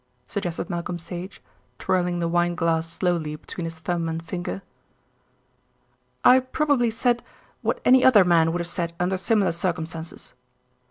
suggested Malcolm Sage, twirling the wineglass slowly between his thumb and finger. "I probably said what any other man would have said under similar circumstances."